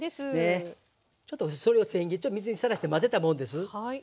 ちょっとそれをせん切りにしてちょっと水にさらして混ぜたもんです。